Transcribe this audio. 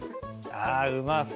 あうまそうだな